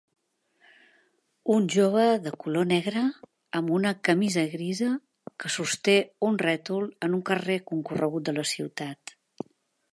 Un jove de color negre, amb una camisa grisa, que sosté un rètol en un carrer concorregut de la ciutat.